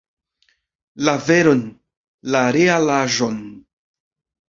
La veron, la realaĵon!